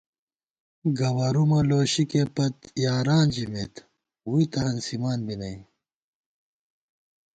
گوَرُومہ لوشِکےپت یاران ژَمېت ووئی تہ ہنسِمان بی نئ